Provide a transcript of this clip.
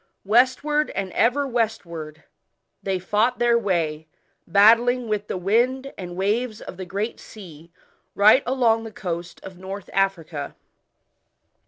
Westward, and ever westward, they fought their way battling with the wind and waves of the Great Sea right along the coast of North Africa.